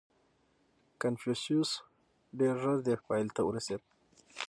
• کنفوسیوس ډېر ژر دې پایلې ته ورسېد.